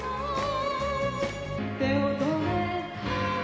「手を止めた」